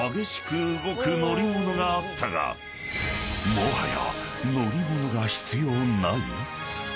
［もはや］